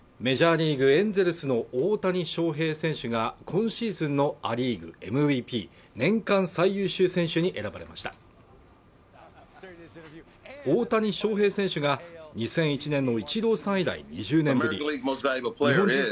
メジャーリーグエンゼルスの大谷翔平選手が今シーズンのアリーグＭＶＰ年間最優秀選手に選ばれました大谷翔平選手が２００１年のイチローさん以来２０年ぶり